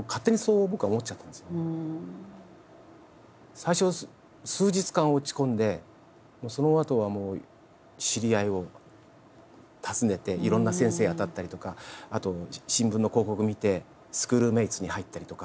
最初は数日間落ち込んでそのあとはもう知り合いを訪ねていろんな先生当たったりとかあと新聞の広告を見てスクールメイツに入ったりとか。